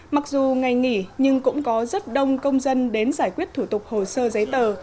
mặc dù ngày nghỉ nhưng cũng có rất đông công dân đến giải quyết thủ tục hồ sơ giấy tờ